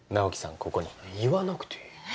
ここに言わなくていいえっ